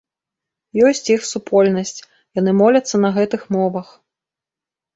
Ёсць іх супольнасць, яны моляцца на гэтых мовах.